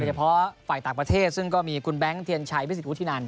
เฉพาะฝ่ายต่างประเทศซึ่งก็มีคุณแบงค์เทียนชัยวิสิทวุฒินัน